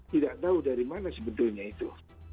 tidak tahu dari mana sebetulnya itu